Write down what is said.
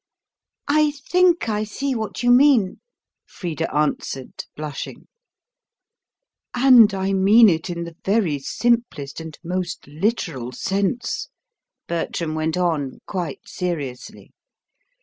"I think I see what you mean," Frida answered, blushing. "And I mean it in the very simplest and most literal sense," Bertram went on quite seriously.